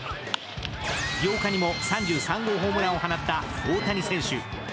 ８日にも３３号ホームランを放った大谷選手。